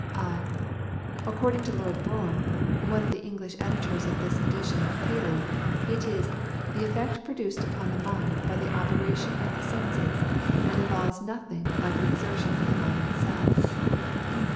I. According to Lord Brougham, one of the English editors of this edition of Paley, it is "the effect produced upon the mind by the operation of the senses; and involves nothing like an exertion of the mind itself."